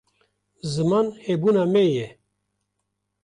ziman hebûna me ye